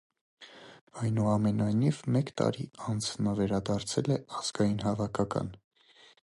Այնուամենայնիվ, մեկ տարի անց նա վերադարձել է ազգային հավաքական։